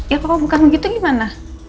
ya kalau bukan begitu gimana